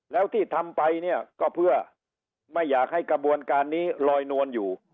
แล้วที่ทำไปเนี่ยก็เพื่อไม่อยากให้กระบวนการนี้ลอยนวลอยู่